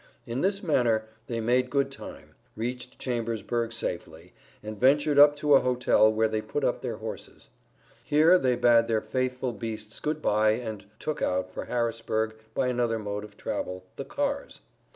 In this manner they made good time, reached Chambersburg safely, and ventured up to a hotel where they put up their horses. Here they bade their faithful beasts good bye and "took out" for Harrisburg by another mode of travel, the cars.